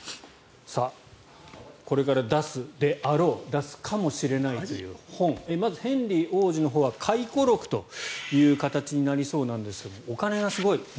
これから出すであろう出すかもしれないという本まず、ヘンリー王子のほうは回顧録という形になりそうなんですがお金がすごい。